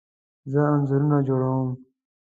زه انځورونه جوړه وم